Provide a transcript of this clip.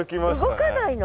動かないの？